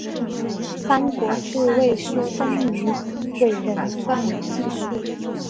三国志魏书东夷倭人传有记述。